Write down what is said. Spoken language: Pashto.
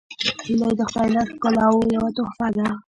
هیلۍ د خدای له ښکلاوو یوه تحفه ده